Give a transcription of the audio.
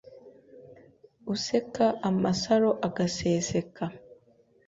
Useka amasaro agaseseka